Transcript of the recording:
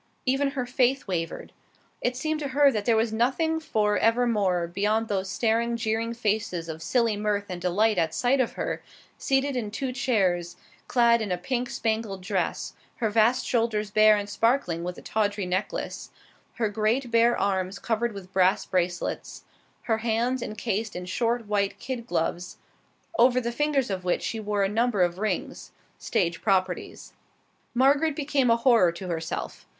Even her faith wavered. It seemed to her that there was nothing for evermore beyond those staring, jeering faces of silly mirth and delight at sight of her, seated in two chairs, clad in a pink spangled dress, her vast shoulders bare and sparkling with a tawdry necklace, her great, bare arms covered with brass bracelets, her hands incased in short, white kid gloves, over the fingers of which she wore a number of rings stage properties. Margaret became a horror to herself.